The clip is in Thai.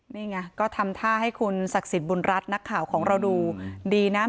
นี่ไงก็ทำท่าให้คุณศักดิ์สิทธิ์บุญรัฐนักข่าวของเราดูดีนะ